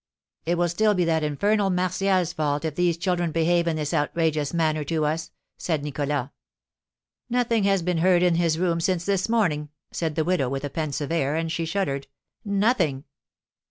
"It will still be that infernal Martial's fault, if these children behave in this outrageous manner to us," said Nicholas. "Nothing has been heard in his room since this morning," said the widow, with a pensive air, and she shuddered, "nothing!"